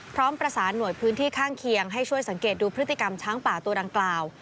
พร้อมประสานหน่วยพื้นที่ข้างเคียงให้ช่วยสังเกตดูพฤติกรรมช้างป่าตัวดังกล่าว